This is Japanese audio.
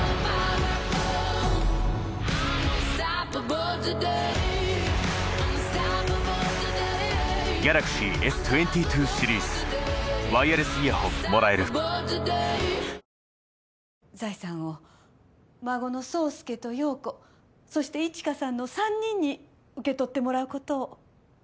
ゴクッ財産を孫の宗介と葉子そして一華さんの３人に受け取ってもらうことを。